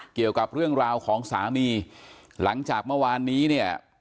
เกี่ยวกับเรื่องราวของสามีหลังจากเมื่อวานนี้เนี่ย